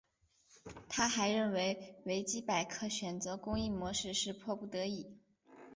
他还认为维基百科选择公益模式是迫不得已。